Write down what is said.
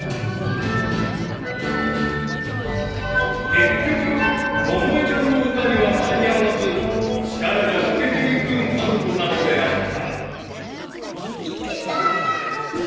［結局百恵ちゃんの歌には間に合わず力が抜けていくまる子なのであった］